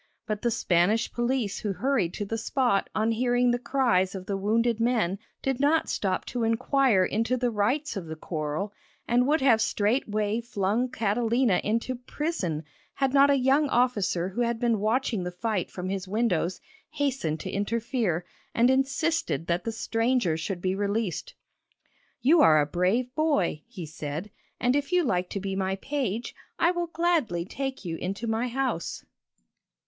But the Spanish police who hurried to the spot on hearing the cries of the wounded men, did not stop to inquire into the rights of the quarrel, and would have straightway flung Catalina into prison, had not a young officer who had been watching the fight from his windows hastened to interfere, and insisted that the stranger should be released. 'You are a brave boy,' he said, 'and if you like to be my page, I will gladly take you into my house.'